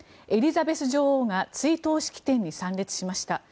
エリザベス女王が追悼式典に参列しました。